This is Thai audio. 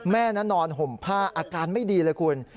แม่นั้นนอนห่มผ้าอาการไม่ดีเลยคุณ